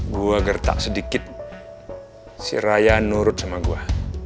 gue gertak sedikit si raya nurut sama gue